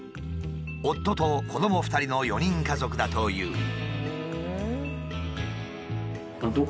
夫と子ども２人の４人家族だという。